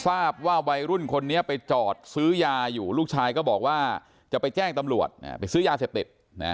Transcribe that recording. ทราบว่าวัยรุ่นคนนี้ไปจอดซื้อยาอยู่ลูกชายก็บอกว่าจะไปแจ้งตำรวจไปซื้อยาเสพติด